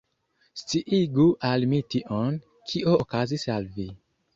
Sciigu al mi tion, kio okazis al vi.